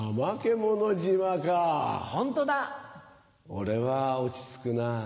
俺は落ち着くなぁ。